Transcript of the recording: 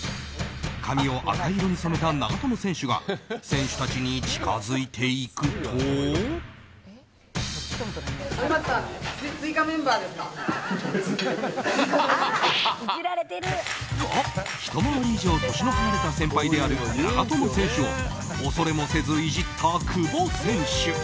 髪を赤色に染めた長友選手が選手たちに近づいていくと。と、ひと回り以上年の離れた先輩である長友選手を恐れもせずイジった久保選手。